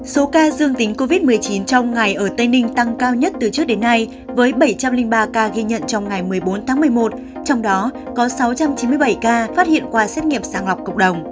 số ca dương tính covid một mươi chín trong ngày ở tây ninh tăng cao nhất từ trước đến nay với bảy trăm linh ba ca ghi nhận trong ngày một mươi bốn tháng một mươi một trong đó có sáu trăm chín mươi bảy ca phát hiện qua xét nghiệm sàng lọc cộng đồng